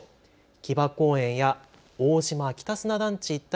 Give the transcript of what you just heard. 木場公園や大島・北砂団地一帯